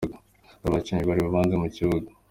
Dore abakinnyi bari bubanze mu kibuga:.